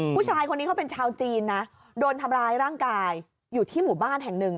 ผู้ชายคนนี้เขาเป็นชาวจีนนะโดนทำร้ายร่างกายอยู่ที่หมู่บ้านแห่งหนึ่ง